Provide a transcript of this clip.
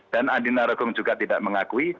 dan andina rogong juga tidak mengakui